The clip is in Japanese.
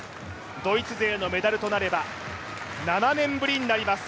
ドイツ勢のメダルとなれば、７年ぶりになります。